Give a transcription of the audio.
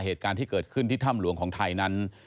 เหตุการณ์ที่เกิดขึ้นที่ถ้ำหลวงของไทยนั้น